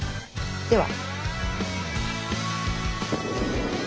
では。